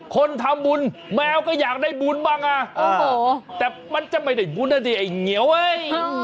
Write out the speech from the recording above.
สงครามสุดคนทำบุญแมวก็อยากได้บุญบ้างอ่ะแต่มันจะไม่ได้บุญอ่ะที่ไอ้เหนียวเว้ย